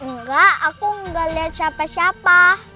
enggak aku gak liat siapa siapa